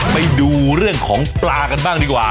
ไปดูเรื่องของปลากันบ้างดีกว่า